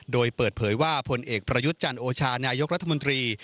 โดยเปิดเผยว่าผลเอกประยุทธ์จันโอชานายกรัฐมนตรี